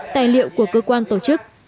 tài liệu của cơ quan tổ chức